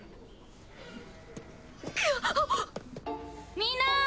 みんな！